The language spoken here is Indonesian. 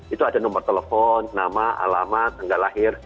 itu ada nomor telepon nama alamat tanggal lahir